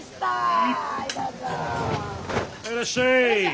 いらっしゃい。